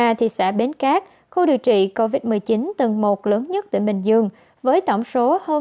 thành phố xã bến cát khu điều trị covid một mươi chín tầng một lớn nhất tỉnh bình dương với tổng số hơn hai mươi